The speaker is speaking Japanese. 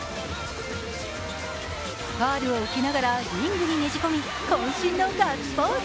ファウルを受けながらリングにねじ込み、こん身のガッツポーズ。